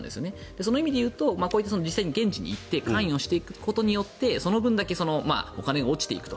その意味でいうと実際に現地に行って関与していくことによってその分だけお金が落ちていくと。